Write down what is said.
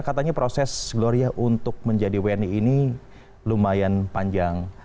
katanya proses gloria untuk menjadi wni ini lumayan panjang